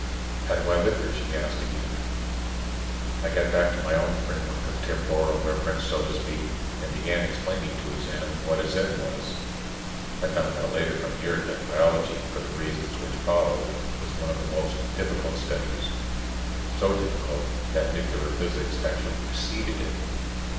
"How do I live here?" she asked again. I got back into my own framework of temporal reference, so to speak, and began explaining to a Zen what a Zen was. (I found out later from Yurt that biology, for the reasons which follow, was one of the most difficult studies; so difficult that nuclear physics actually preceded it!)